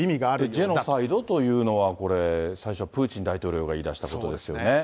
ジェノサイドというのは、これ、最初、プーチン大統領が言いだしたことですよね。